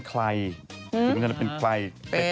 คิดว่ามันเป็นตัวอีก